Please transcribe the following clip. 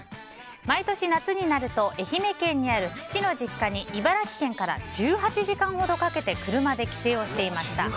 毎年、夏になると愛媛県にある父の実家に茨城県から１８時間ほどかけて車で帰省をしていました。